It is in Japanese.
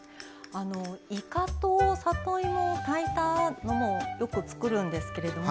いかと里芋を炊いたのもよく作るんですけども